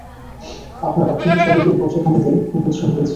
আপনার অত্যন্ত সহৃদয় পত্রখানিতে খুব উৎসাহ পেয়েছি।